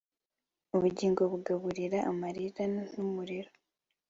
ubugingo bugaburire amarira n'umuriro